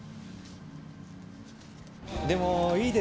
でもいいですね。